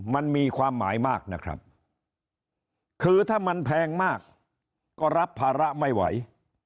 มันมีความหมายมากนะครับคือถ้ามันแพงมากก็รับภาระไม่ไหว